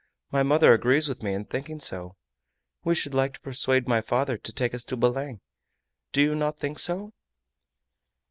My mother agrees with me in thinking so. We should like to persuade my father to take us to Belem. Do you not think so?"